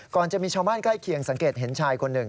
จะมีชาวบ้านใกล้เคียงสังเกตเห็นชายคนหนึ่ง